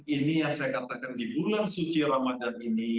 ini yang saya katakan di bulan suci ramadan ini